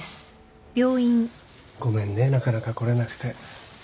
ごめんねなかなか来れなくて。